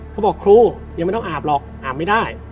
เขาบอกครูยังไม่ต้องอาบหรอกอาบไม่ได้